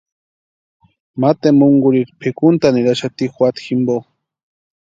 Ma tempunkurhiri pʼikuntʼani niraxati juata jimpo.